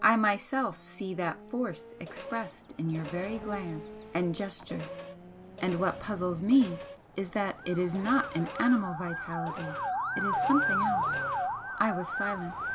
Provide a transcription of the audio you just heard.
I myself see that force expressed in your very glance and gesture, and what puzzles me is that it is not an animal vitality; it is something else." I was silent.